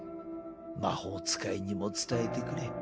魔法使いにも伝えてくれ。